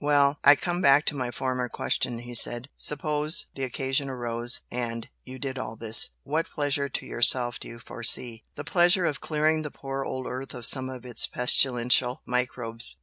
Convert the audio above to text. "Well, I come back to my former question" he said "Suppose the occasion arose, and you did all this, what pleasure to yourself do you foresee?" "The pleasure of clearing the poor old earth of some of its pestilential microbes!"